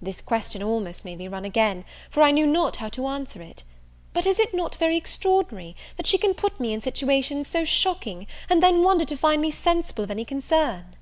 This question almost made me run again, for I knew not how to answer it. But, is it not very extraordinary, that she can put me in situations so shocking, and then wonder to find me sensible of any concern?